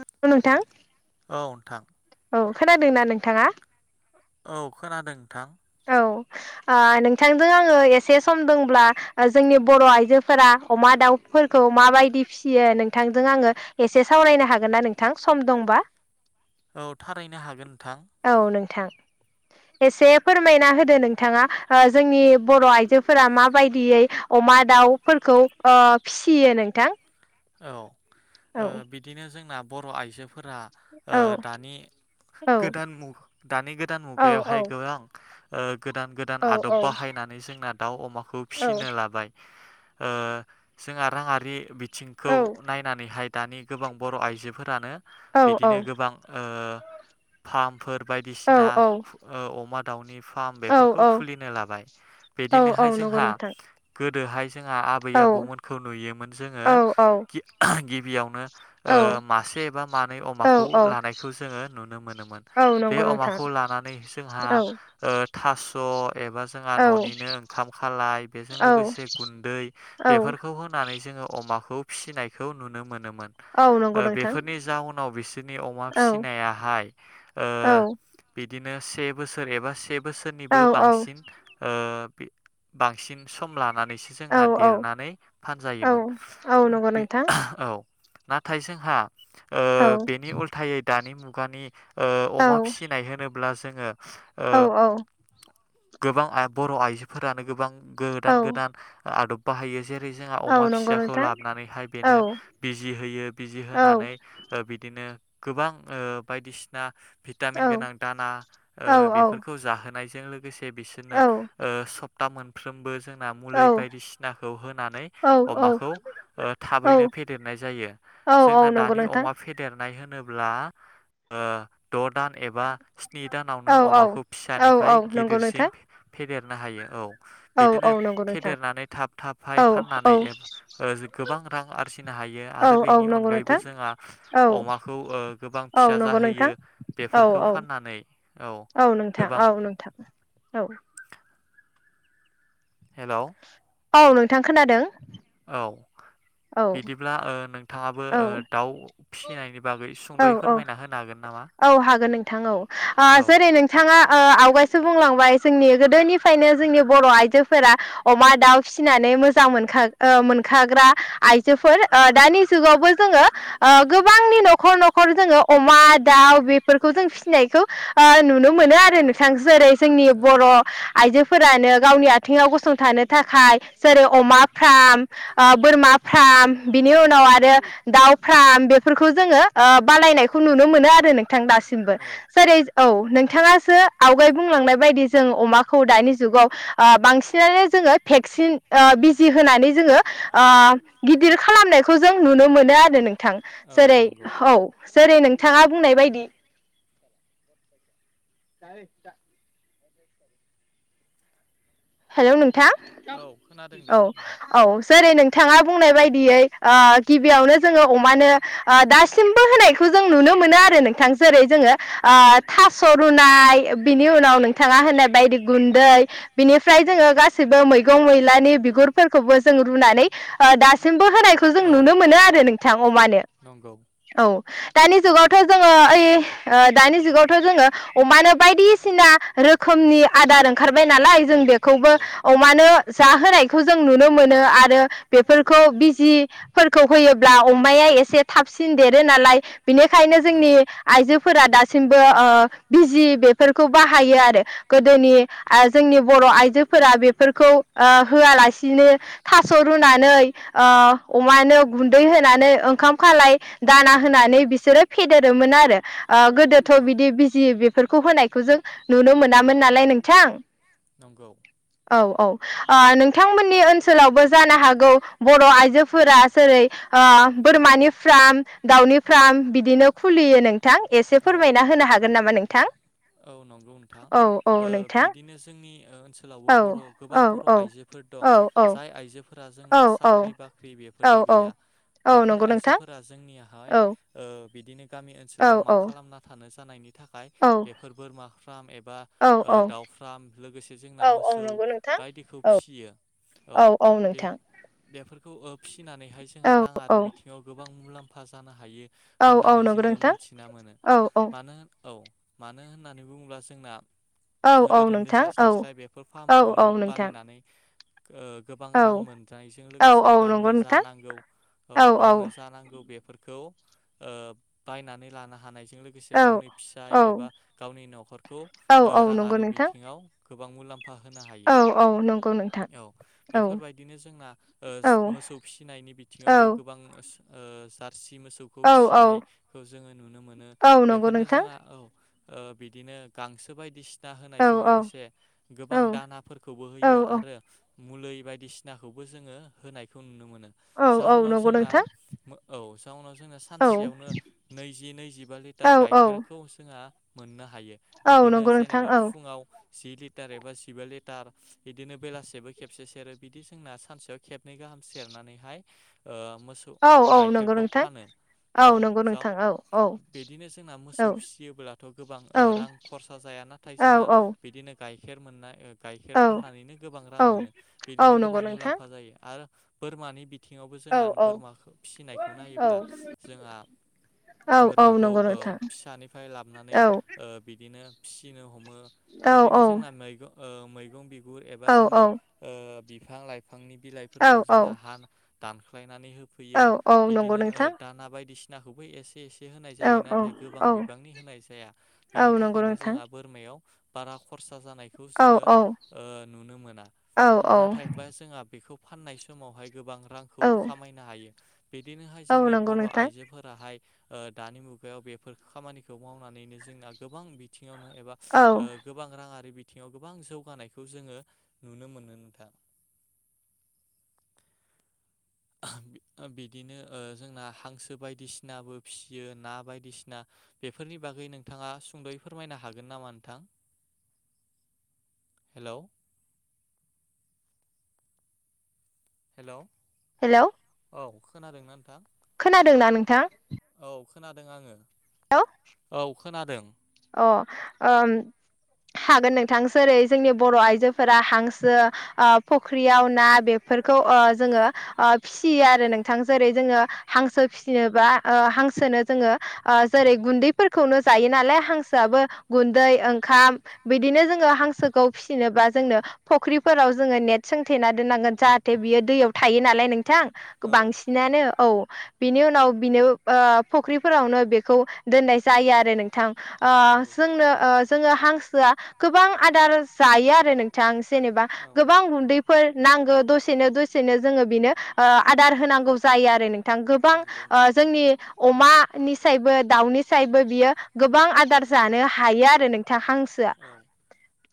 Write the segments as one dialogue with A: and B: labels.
A: नोंगौ नोंथां
B: औ नोंथां
A: औ खोनादोंना नोंथाङा?
B: औ खोनादों नोंथां।
A: औ नोंथांजों आङो एसे सम दंब्ला जोंनि बर' आइजोफोरा अमा दाउफोरखौ माबायदि फिसियो नोंथांजों आङो एसे सावरायनो हागोन ना नोंथां सम दंबा?
B: औ थारैनो हागोन नोंथां।
A: थां एसे फोरमायना होदो नोंथाङा जोंनि बर' आइजोफोरा माबायदियै अमा दाउफोरखौ खौ फिसियो नोंथां
B: औ
A: औ
B: बिदिनो जोंना बर' आइजोफोरा
A: औ
B: दानि
A: औ
B: गोदान मु दानि गोदान
A: औ औ
B: मुगायावहाय गोबां ओ गोदान गोदान
A: औ
B: आदब बाहायनानै जोंना दाउ अमाखौ
A: औ
B: फिसिनो लाबाय ओ जोंहा राङारि बिथिंखौ
A: औ
B: नायनानैहाय दानि गोबां बर' आइजोफोरानो
A: औ
B: बिदिनो गोबां ओ फार्मफोर बायदिसिना अमा दाउनि फार्म
A: औ
B: बेफोरखौ खुलिनो लाबाय
A: औ औ
B: बिदिनोहाय
A: नंगौ
B: जोंहा
A: नोंथां
B: गोदोहाय जोंहा आबै
A: औ
B: आबौमोनखौ नुयोमोन
A: औ
B: जोङो गि गिबियावनो
A: औ
B: मासे एबा मानै
A: औ
B: अमाखौ
A: औ
B: लानायखौ जोङो नुनो मोनोमोन
A: औ
B: बे
A: नंगौ नोंथां
B: अमाखौ लानानै जोंहा
A: औ
B: थास एबा जोंहा
A: औ
B: न'निनो ओंखाम खालाय बेजों
A: औ
B: लोगोसे गुन्दै
A: औ
B: बेफोरखौ होनानै जों ङो अमाखौ फिसिनायखौ नुनो मोन मोन
A: औ नंगौ
B: ओ
A: नोंथां
B: बेफोरनि जाउनाव बिसोरनि अमा
A: औ
B: फिसिनायाहाय ओ
A: [inaudible]
B: बिदिनो से बोसोर एबा से
A: औ
B: बोसोरनिबो बांसिन ओ बांसिन सम लानानैसो जोंना
A: औ
B: देरनानै
A: औ
B: फानजायोमोन
A: औ नंगौ
B: बे
A: नोंथां
B: औ नाथाय जोंहा
A: औ
B: बेनि उल्थायै दानि मुग मुगानि ओ अमा फिसिनाय होनोब्ला जोङो ओ
A: औ औ
B: गोबां बर' आइजोफोरानो गोबां गोदान गोदान आदब बाहायो जेरै जेरै जोंहा
A: औ नंगौ नोंथां औ
B: अमा
A: नंगौ
B: फिसाखौ लाब नानैहाय बेनो बिजि होयो बिजि होनानै बिदिनो गोबां बायदिसिना भिटामिन गोनां दाना बेफोरखौ जाहोनाय बिजों लोगोसे बिसोरनो ओ सपता मोनफ्रोमबो जोंना मुलि बायदिसिनाखौ होनानै अमाखौ ओ थाबैनो फेदेरनाय जायो जोंना दानि
A: नोंथां
B: अमा फेदेर नाय होनोब्ला ओ द' दान एबा स्नि दानावनो अमाखौ फिसानिफ्राय
A: औ नंगौ
B: गिदिरसिम
A: नोंथां
B: फेदेर नो हायो औ
A: औ
B: बिदिनो
A: औ नंगौ नोंथां
B: फेदेरनानै थाब थाबहाय फाननानै
A: औ
B: ओ गोबां रां आरजिनो हायो
A: औ
B: आरो
A: नंगौ
B: बेनि
A: नोंथां
B: अनगायैबो जोंहा
A: औ
B: अमाखौ गोबां
A: औ
B: फिसा
A: नंगौ
B: जाहोयो
A: नोंथां औ
B: बेफोरखौ
A: औ
B: फाननानै
A: औ नोंथां
B: गोबां
A: औ नोंथां औ
B: हेलौ
A: औ नोंथां खोनादों
B: औ
A: औ
B: बिदिब्ला नोंथाङाबो
A: औ
B: दाउ फिसिनायनि बागै
A: औ
B: सुंद'यै
A: औ
B: फोरमायना होनो हागोन नामा
A: औ हागोन नोंथां औ जेरै नोंथाङा आवगायसो बुंला जोंनि गोदोनिफ्रायनो जोंनि बर' आइजोफोरा अमा दाउ फिसिनानै मोजां मोनखाग मोनखाग्रा आइजोफोर दानि जुगावबो जोङो गोबांनि न'खर न'खर न'खर जोङो अमा दाउ बेफोरखौ जों फिसिनायखौ नुनो मोनो आरो नोंथां जेरै जोंनि
B: औ
A: बर' आइजोफोरानो गावनि आथिङाव गसंथानो थाखाय जेरै अमा फार्म बोरमा फार्म बिनि उनाव आरो दाउ फार्म बेफोरखौ जोङो बानायनायखौ नुनो मोनो आरो नोंथां दासिमबो
B: औ
A: जेरै औ नोंथाङासो आवगाय बुंलांनाय बायदि जों अमाखौ दानि जुगाव बांसिनानो जों जोङो भेक्सिन बिजि होनानै जोङो गिदिर खालामनायखौ जों नुनो मोनो आरो नों थां
B: आरो औ
A: जेरै
B: नंगौ
A: औ जेरै नोंथाङा बुंनाय बायदि [inaudible] हेल' नोंथां
B: खोनादों दे
A: औ
B: नोंथां
A: औ
B: ओ
A: जेरै नों बिथाङा बुंनाय बायदियै गिबियावनो जोङो अमानो दासिमबो होनायखौ जों नुनो मोनो आरो नोंथां जेरै जोङो
B: औ
A: थास' रुनाय बिनि उनाव नोंथाङा होननाय बायदि गुनदै बिनि फ्राय जोङो गासिबो मैगं मैलानि बिगुरफोरखौबो जों रुनानै ओ दासिम बो होनायखौ जों नुनो मोनो आरो नोंथां अमानो
B: औ नंगौ अमानो
A: औ दानि जुगावथ' जोङो ओइ ओ दानि जुगावथ' जोङो अमानो बायदिसिना रोखोमनि आदार ओंखारबाय नालाय जों बेखौबो अमानो जाहोनायखौ जों नुनो मोनो आरो बेफोरखौ बिजिफोरखौ होयोब्ला अमाया एसे थाबसिन देरो नालाय बेनिखायनो
B: औ
A: जोंनि आइजो फोरा दासिमबो ओ बिजि बेफोरखौ बाहायो आरो गोदोनि जोंनि बर' आइ जोफोरा बेफोरखौ ओ होलानो थास' रुनानै ओ अमानो गुनदै होनानै ओंखाम खालाय दाना होनानै बिसोरो फेदेरोमोन आरो ओ गोदो थ'
B: औ
A: बिदि बिजि बेफोरखौ होनायखौ जों नुनो मोनामोन नालाय नोंथां
B: नंगौ
A: औ औ ओ नोंथांमोननि ओनसोलावबो जानो हागौ बर' आइजोफोरा जेरै ओ बोरमानि फार्म दाउनि फार्म बिदिनो खुलियो नों थां एसे
B: औ
A: फोरमायना होनो हागोन नामा नोंथां
B: औ नंगौ नोंथां
A: औ औ
B: ओ
A: नोंथां
B: बिदिनो जोंनि ओ ओनसोलावबो
A: औ
B: बर' गोबां
A: औ
B: बर'
A: औ
B: आइजोफोर
A: औ
B: दं जाय
A: औ
B: आइजोफोरा जोंना
A: औ
B: साख्रि बाख्रि बेफोर
A: औ
B: दि
A: औ
B: गैया
A: औ
B: बेफोर
A: नंगौ नोंथां
B: आइजोफोरा जोंनियाहाय
A: औ
B: बिदिनो गामि
A: औ
B: ओनसोलाव मा
A: औ
B: खालामना थानो जानायनि था
A: औ
B: बेफोर बोरमा फार्म एबा
A: औ
B: ओ दाउ फारम लोगोसे जोंना
A: औ
B: मोसौ
A: नंगौ नोंथां
B: बायदिखौ
A: औ
B: फि फियो
A: औ औ नोंथां
B: बेफोरखौ ओ फि फिनानैहाय
A: औ
B: जोंहा राङारि
A: औ
B: बिथिङाव गोबां मुलामफा जानो हायो
A: औ औ
B: होननानै
A: नंगौ
B: जोङो
A: नोंथां
B: मोनथिना मोनो
A: औ औ
B: मानो औ मानो होननानै बुङोब्ला जोंना
A: औ औ
B: ओरैनो
A: नोंथां
B: थास्लाय
A: औ
B: स्लाय बेफोर
A: औ
B: फार्मखौनो
A: औ नोंथां
B: बानायनानै ओ गोबां रां
A: औ
B: मोनजानायजों
A: औ
B: लोगोसे
A: औ
B: गावनो
A: नंगौ
B: जा
A: नोंथां
B: नांगौ औ गावनो जानांगौ बेफोरखौ ओ बायनानै लानो हानायजों लोगोसे
A: औ
B: गावनि फिसा
A: औ
B: एबा गावनि न'खरखौ
A: औ
B: ओ
A: औ नंगौ
B: राङारि
A: नोंथां
B: बिथिङाव गोबां मुलामफा होनो हायो
A: औ औ नंगौ नोंथां
B: औ
A: औ
B: बेफोरबायदिनो जोंना ओ
A: औ
B: मोसौ फिसिनायनि बिथिङावबो
A: औ
B: गोबां ओ जाद सि मोसौखौ
A: औ औ
B: फिसिनायखौ जोङो नुनो मोनो
A: औ नंगौ
B: बेफोरनो
A: नोंथां
B: जोंहा औ ओ बिदिनो गांसो बायदिसि ना
A: औ
B: होनायजों
A: औ औ
B: लोगोसे गोबां दानाफोरखौबो होयो
A: औ
B: आरो मुलै बायदिसिनाखौबो जोङो होनायखौ नुनो मोनो
A: औ
B: जाउनाव
A: नंगौ नोंथां औ नंगौ
B: जोंना
A: नोंथां
B: औ जाउनाव जोंना
A: औ
B: सानसेयावनो नैजि नैजिबा
A: औ
B: लिटार गाइखेरखौ जोंहा मोननो हायो
A: औ
B: बिदिनो
A: नंगौ नोंथां
B: जेनेबा फुङाव जि लिटार एबा जिबा लिटार बिदिनो बेलासेबो खेबसे सेरो बिदि जोंना सानसेयाव खेब नै गाहाम सेरनानैहाय ओ मोसौ गाइखेरखौ फानो औ
A: नंगौ
B: जाव
A: नोंथां औ औ
B: बिदिनो जोंना
A: औ
B: मोसौ फिसियोब्ला' थ' ओ गोबां
A: औ
B: रां ओ खरसा जाया नाथाय
A: औ
B: जोंना
A: औ
B: बिदिनो गाइखेर मोननाय ओ गाइखेर फाननानैनो गोबां
A: औ
B: रां मोनो
A: औ
B: बिदिनो
A: नंगौ
B: गोबां
A: नोंथां
B: मुलामफा जायो आरो बोरमानि बि बिथिङावबो
A: औ
B: जोंहा
A: औ
B: बोरमा फिसिनायखौ
A: औ
B: नायोब्ला जोंहा
A: औ औ
B: बोरमाखौ
A: नंगौ
B: औ
A: नोंथां
B: फिसानिफ्राय ला नानै
A: औ
B: ओ बिदिनो फिसिनो ह'मो
A: औ
B: बिदिनो
A: औ
B: जोंना मैगं ओ मैगं बि गु एबा
A: औ
B: जोंनि ओ बिफां लाइफांनि
A: औ
B: बिलाइफोरखौ
A: औ
B: जोंना हा दानख्लाय नानै
A: औ
B: होफैयो
A: औ नंगौ
B: बिदिनो ओ
A: नोंथां
B: दाना बायदिसिनाखौबो एसे एसे से होनाय
A: औ
B: जायो
A: औ
B: नाथाय गोबां
A: औ
B: बिबांनि होनाय जाया
A: औ
B: बेनि
A: नंगौ
B: थाखायनो
A: नोंथां
B: जोंहा बोरमायाव बारा खरसा खरसा जानायखौ
A: औ
B: जोङो
A: औ
B: ओ नुनो मोना
A: औ औ
B: नाथायबा जोंहा बेखौ। फाननाय समावहाय गोबां रांखौ
A: औ
B: खामायनो हायो। बिदिनोहाय
A: औ
B: जोंनि
A: नंगौ
B: बर'
A: नोंथां
B: आइजोफोराहाय ओ दानि मुगायाव बेफोर खामानिखौ। मावनानैनो जोंना गोबां बिथिङावनो एबा
A: औ
B: गोबां राङारि बि थिङाव गोबां जौगानायखौ जोङो नुनो मोनो नोंथां।
A: ज [inaudible]
B: ओ बिदिनो जोंना हांसो बायदिसिनाबो फियो ना बायदिसिना बेफोरनि। बागै नोंथाङा सुंद'यै फोरमायनो हागोन नामा नोंथां?
A: [inaudible]
B: हेल'। हेल'।
A: हेल'।
B: औ खोनादोंना नोंथां?
A: खोनादोंना नोंथां?
B: औ खोनादों आङो।
A: हेल'।
B: औ खोनादों।
A: अ आ हागोन नोंथां जेरै जोंनि बर' आइजोफोरा हांसो ओ फुख्रियाव ना बे फोरखौ ओ जोङो फिसियो आरो नोंथां जेरै जोङो हांसो फिसिनोबा हांसोनो जोङो ओ जेरै गुन्दैफोरखौनो जायोनालाय हां हांसोआबो गुन्दै ओंखाम बिदिनो जोङो हांसोखौ फिसिनोबा जोंनो फुख्रिफोराव जोङो नेट सोंथेना दोननांगोन जाहाथे बियो दैयाव थायो नालाय नों थां
B: औ
A: बांसिनानो
B: नंगौ
A: औ बिनि उनाव बिनो ओ फुख्रिफोरावनो बेखौ दोननाय जायो आरो नोंथां ओ
B: नंगौ
A: जोंनो ओ जोङो हांसोआ गोबां आदार जायो आरो। नोंथां जेनेबा
B: औ
A: गोबां गुन्दैफोर नांगौ दसे नो दसेनो जोङो बिनो आदार होनांगौ। जायो आरो नोंथां गोबां ओ
B: नंगौ
A: जोंनि अमानि सायबो दाउनि सायबो बियो गोबां आदा र
B: नोंथां।
A: जानो हायो आरो नोंथां हांसोआ।
B: औ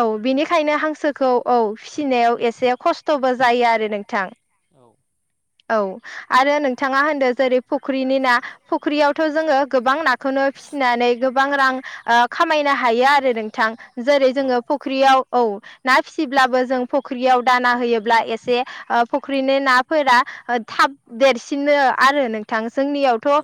A: औ
B: नंगौ
A: बिनिखायनो
B: नोंथां।
A: हांसोखौ औ फिसिनायाव एसे। एसे खस्थ'बो जायो आरो नोंथां।
B: औ
A: औ आरो नोंथाङा होनदो जेरै फुख्रिनि ना फुख्रियावथ' जोङो गोबां नाखौनो। फिसिनानै गोबां रां ओ खामायनो हायो आरो नोंथां जेरै जोङो फुख्रियाव। औ ना फिसिब्लाबो जों फुख्रियाव दाना होयोब्ला एसे फख्रिनि। नाफोरा थाब देरसिनो आरो नोंथां जोंनियावथ' ओ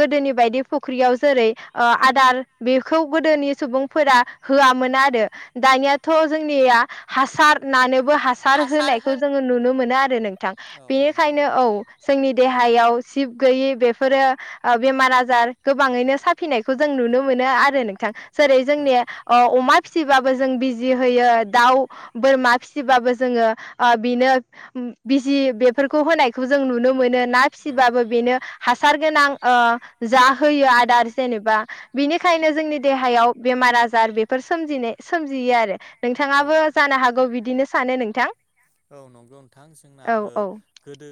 A: गोदोनि। बायदि फुख्रियाव जेरै ओ आदार बेखौ गोदोनि सुबुंफोरा होआमोन आरो दानियाथ' जोंनिया हासार नानोबो हासार होनायखौ जोङो नुनो मोनो आरो नोंथां।
B: औ नंगौ
A: बेनिखायनो औ। जोंनि देहायाव जिब गैयि बेफोरो बेमार आजार गोबाङैनो साफिनायखौ जों नुनो मोनो। मोनो आरो नोंथां जेरै जोंनि अमा। फिसिबाबो जों बिजि होयो दाउ बोरमा फिसिबाबो जोङो ओ बिनो। बिजि बेफोरखौ होनायखौ जों नुनो मोनो। ना फिसिबाबो बेनो हासार गोनां ओ जा होयो आदार जेनेबा। बिनिखायनो जोंनि देहायाव बेमार आजार बेफोर सोमजिनाय सोमजियो आरो।
B: औ
A: नोंथाङाबो जानो हागौ बिदिनो सानो नोंथां।
B: औ नंगौ नोंथां जोंना
A: औ
B: ओ
A: औ
B: गोदो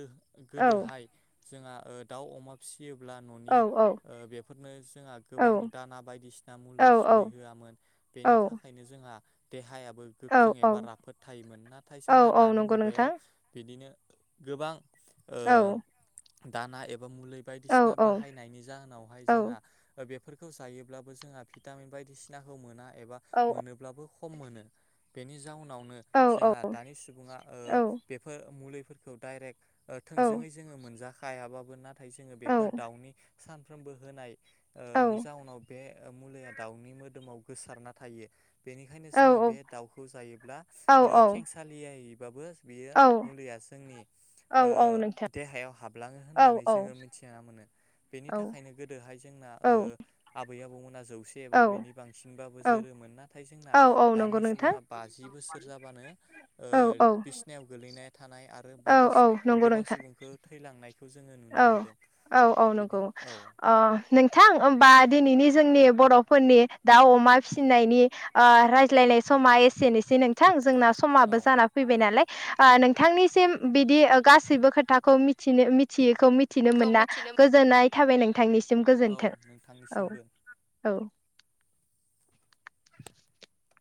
A: औ
B: गोदोहाय। जोंहा ओ दाउ अमा फिसि फियोब्ला
A: औ
B: न'नि
A: औ
B: ओ बेफोरनो जोंहा
A: औ
B: गोबां दाना बायदिसिना
A: औ
B: मुलि सुलि होआमोन।
A: औ
B: बेनि थाखायनो जोंहा देहायाबो
A: औ
B: गोख्रों एबा
A: औ
B: राफोद थायोमोन नाथाय
A: औ
B: जोंहा
A: औ
B: दानि
A: नंगौ नोंथां
B: मुगायाव बिदिनो गोबां ओ
A: औ
B: दाना एबा बा
A: औ
B: बायदिसि
A: औ
B: बाहायनायनि जाहोनावहाय
A: औ
B: जोंहा ओ बे फोरखौ जायोब्लाबो जोंहा भिटामिन बायदिसिनाखौ मोना एबा
A: औ
B: मोनोब्लाबो खम मोनो बेनि जाउनावनो
A: औ औ
B: जोंहा दानि सुबुङा
A: औ
B: ओ बेफोर मुलि फोरखौ डाइरेक्ट थोंजोङै जोङो मोनजाखायाबाबो नाथाय जोङो बेफोर दाउनि सानफ्रोमबो होनायनि ओ जाउनाव बे मुलिया दाउनि मोदोमाव गोसारना थायो बेनि ओंखायनो जोङो बे दाउखौ जायोब्ला
A: औ
B: ओ खेंसालियायैबाबो बियो
A: औ
B: मुलिया जोंनि ओ
A: औ नोंथां
B: देहायाव हाबलाङो
A: औ नोंथां औ
B: होननानै जोङो मिथिना मोनो बेनि थाखायनो गोदोहाय जोंना ओ आबै आबौमोन जौसे एबा बेनि बांसिनबाबो
A: औ
B: जोरोमोन नाथाय जोंना
A: औ औ नंगौ
B: दानि
A: नोंथां
B: सुबुङा बाजि बोसोर जाबानो ओ
A: औ औ
B: बिसनायाव गोलैनाय थानाय आरो
A: औ
B: बायदि
A: औ नंगौ
B: गोबां
A: नोंथां
B: सुबुंखौ थैलांनाय
A: औ औ औ नंगौ औ नोंथां होमबा दिनैनि जोंनि बर' फोरनि दाउ अमा फिसिनायनि रायज्लायनाय समा एसेनोसै नोंथां जोंना समाब
B: औ
A: जानानै फैबाय नालाय। ओ नोंथांनिसिम बिदि ओ गासैबो खोथाखौ मिनो मिथियैखौ मिथिनो मोना गोजोननाय थाबाय नोंथांनिसिम
B: औ
A: गोजोन्थों औ
B: नोंथांनिसिमबो
A: औ [inaudible]